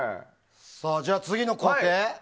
じゃあ次の工程。